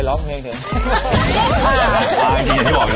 ของคุณฝ่อง